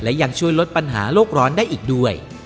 และยังช่วยลดปัญหาโลกร้อนได้อีกด้วย